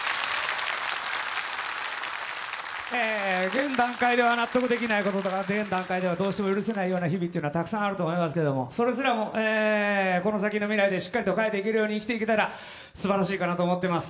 現段階では納得できないこととか現段階ではどうしても許せないような日々ってたくさんあると思いますけどそれすらもこの先の未来でしっかりと変えていけるように生きていけたらすばらしいかなと思ってます。